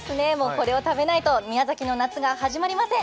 これを食べないと宮崎の夏が始まりません。